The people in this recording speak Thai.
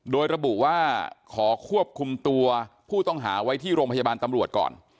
โดยระบุว่าขอควบคุมตัวผู้ต้องหาไว้ที่โรงพยาบาลตำรวจก่อน